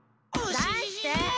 ・だして！